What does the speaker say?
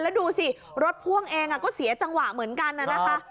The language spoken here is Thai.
แล้วดูสิรถพ่วงเองก็เสียจังหวะเหมือนกันนะคะ